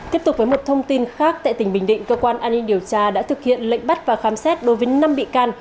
tiếp tục với một thông tin khác tại tỉnh bình định cơ quan an ninh điều tra đã thực hiện lệnh bắt và khám xét đối với năm bị can